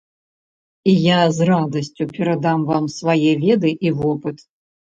І я з радасцю перадам вам свае веды і вопыт.